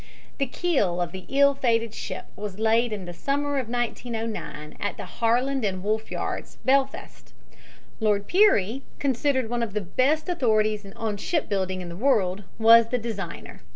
The keel of the ill fated ship was laid in the summer of 1909 at the Harland & Wolff yards, Belfast. Lord Pirrie, considered one of the best authorities on shipbuilding in the world, was the designer.